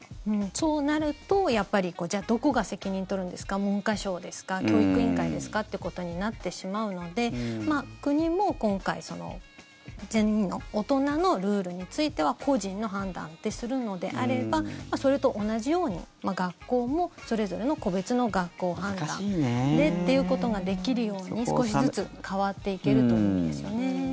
そうなると、やっぱりじゃあどこが責任取るんですか文科省ですか、教育委員会ですかってことになってしまうので国も今回、その全員の大人のルールについては個人の判断でするのであればそれと同じように学校もそれぞれの個別の学校判断でっていうことができるように少しずつ変わっていけるといいですよね。